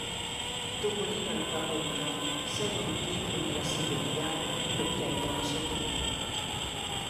Topolino e Paperino seguono Pietro nella segheria e lo tengono sotto tiro.